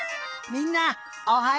みんなおはよう！